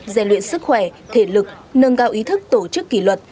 giải luyện sức khỏe thể lực nâng cao ý thức tổ chức kỷ luật